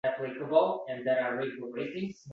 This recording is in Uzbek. Shu’la o’ynab kumush to’lqinda